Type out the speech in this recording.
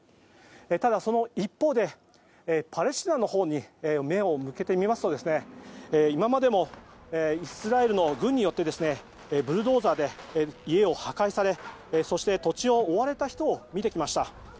ただ、その一方でパレスチナのほうに目を向けてみますと今までもイスラエルの軍によってブルドーザーで家を破壊されそして、土地を追われた人を見てきました。